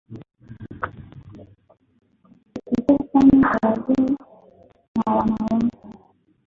Hutokea sana kwa wazee na wanawake.